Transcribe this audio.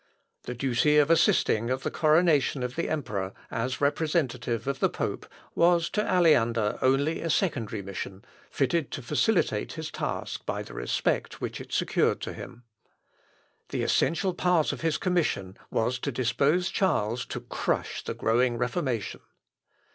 The duty of assisting at the coronation of the emperor, as representative of the pope, was to Aleander only a secondary mission, fitted to facilitate his task by the respect which it secured to him. The essential part of his commission was to dispose Charles to crush the growing Reformation.